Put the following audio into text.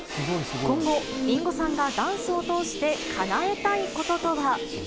今後、リンゴさんがダンスを通してかなえたいこととは。